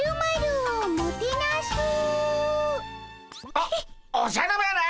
おおじゃる丸！